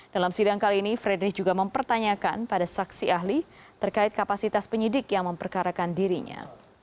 dalam sidang kali ini frederick juga mempertanyakan pada saksi ahli terkait kapasitas penyidik yang memperkarakan dirinya